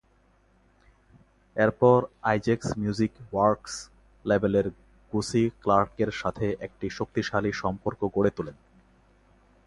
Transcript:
এরপর Isaacs music works লেবেলের Gussie ক্লার্কের সাথে একটি শক্তিশালী সম্পর্ক গড়ে তোলেন।